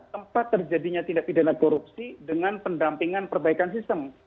tempat terjadinya tindak pidana korupsi dengan pendampingan perbaikan sistem